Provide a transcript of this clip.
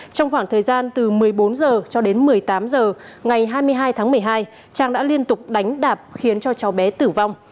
trong khoảng thời gian từ một mươi bốn h cho đến một mươi tám h ngày hai mươi hai tháng một mươi hai trang đã liên tục đánh đạp khiến cho cháu bé tử vong